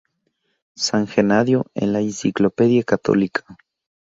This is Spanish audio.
San Genadio en la Enciclopedia Católica